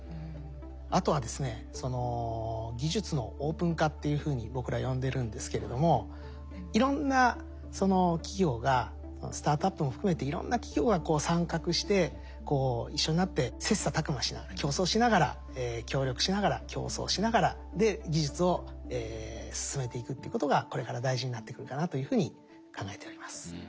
あとはですね「技術のオープン化」っていうふうに僕ら呼んでるんですけれどもいろんな企業がスタートアップも含めていろんな企業が参画して一緒になって切磋琢磨しながら競争しながら協力しながら競争しながらで技術を進めていくっていうことがこれから大事になってくるかなというふうに考えております。